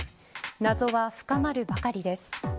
謎は深まるばかりです。